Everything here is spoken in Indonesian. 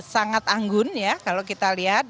sangat anggun ya kalau kita lihat